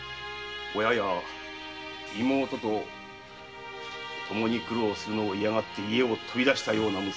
親や妹とともに苦労するのを嫌がって家を飛び出したような娘。